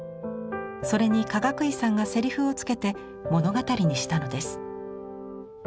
それにかがくいさんがセリフをつけて物語にしたのです。